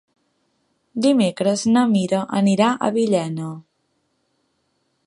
Dimecres na Mira anirà a Villena.